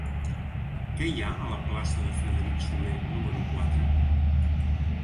Què hi ha a la plaça de Frederic Soler número quatre?